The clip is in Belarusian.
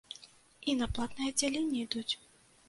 І на платнае аддзяленне ідуць!